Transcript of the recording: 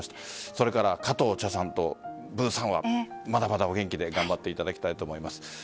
それから加藤茶さんとブーさんはまだまだお元気で頑張っていただきたいと思います。